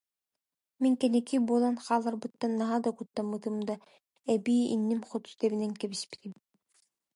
Мин кэнники буолан хааларбыттан наһаа куттаммытым да, эбии инним хоту тэбинэн кэбиспитим